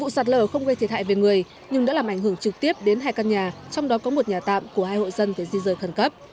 vụ sạt lở không gây thiệt hại về người nhưng đã làm ảnh hưởng trực tiếp đến hai căn nhà trong đó có một nhà tạm của hai hộ dân về di rời khẩn cấp